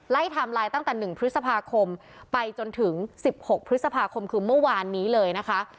ไทม์ไลน์ตั้งแต่๑พฤษภาคมไปจนถึง๑๖พฤษภาคมคือเมื่อวานนี้เลยนะคะ